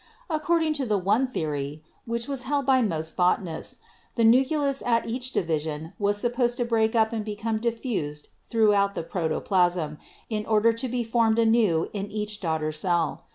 According to the one theory, which was held by most botanists, the nucleus at each division was sup posed to break up and become diffused throughout the CELL DIVISION 79 protoplasm, in order to be formed anew in each daughter cell.